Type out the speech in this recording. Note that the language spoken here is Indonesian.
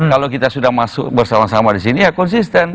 kalau kita sudah masuk bersama sama di sini ya konsisten